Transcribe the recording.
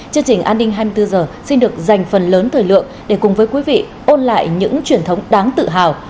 chương trình an ninh hai mươi bốn h xin được dành phần lớn thời lượng để cùng với quý vị ôn lại những truyền thống đáng tự hào